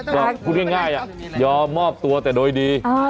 ก็พูดง่ายยอมมอบตัวแต่โดยดี